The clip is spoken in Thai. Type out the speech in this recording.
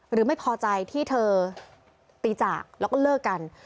หรือไม่พอใจที่เธอตีจากแล้วก็เลิกกัน